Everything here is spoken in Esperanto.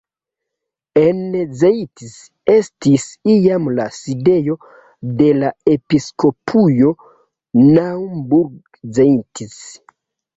En Zeitz estis iam la sidejo de la Episkopujo Naumburg-Zeitz.